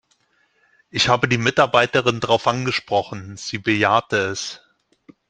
Ich habe die Mitarbeiterin darauf angesprochen, sie bejahte es.